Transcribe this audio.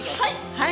はい！